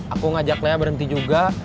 aku ngajak lea berhenti juga